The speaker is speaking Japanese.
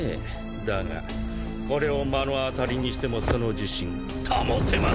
だがこれを目の当たりにしてもその自信保てますかねぇ！